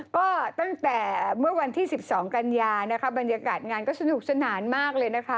ก็ตั้งแต่เมื่อวันที่๑๒กันยานะคะบรรยากาศงานก็สนุกสนานมากเลยนะคะ